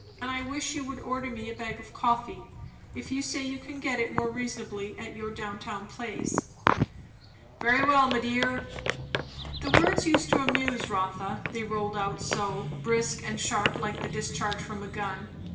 And I wish you would order me a bag of coffee, if you say you can get it more reasonably at your down town place." "Very well, my dear." The words used to amuse Rotha, they rolled out so, brisk and sharp, like the discharge from a gun.